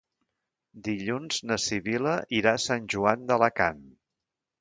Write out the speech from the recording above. Dilluns na Sibil·la irà a Sant Joan d'Alacant.